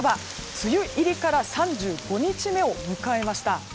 梅雨入りから３５日目を迎えました。